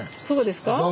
そうですか？